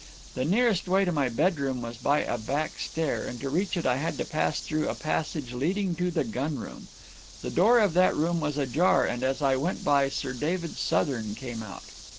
The nearest way to my bedroom was by a back stair, and to reach it I had to pass through a passage leading to the gun room. The door of that room was ajar, and as I went by Sir David Southern came out.